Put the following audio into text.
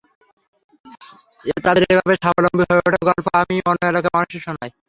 তাদের এভাবে স্বাবলম্বী হয়ে ওঠার গল্প আমি অন্য এলাকার মানুষদের শোনাই।